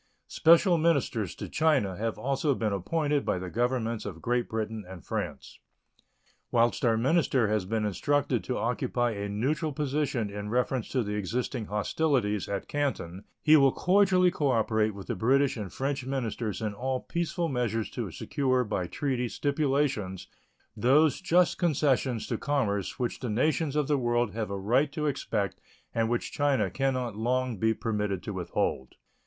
Special ministers to China have also been appointed by the Governments of Great Britain and France. Whilst our minister has been instructed to occupy a neutral position in reference to the existing hostilities at Canton, he will cordially cooperate with the British and French ministers in all peaceful measures to secure by treaty stipulations those just concessions to commerce which the nations of the world have a right to expect and which China can not long be permitted to withhold.